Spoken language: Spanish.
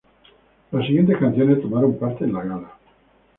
Las siguientes canciones tomaron parte en la gala.